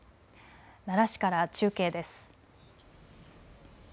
奈良市から中継です。